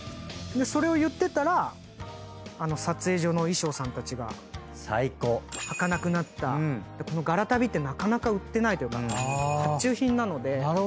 それを言ってたら撮影所の衣装さんたちがはかなくなったこの柄足袋ってなかなか売ってないというか発注品なので。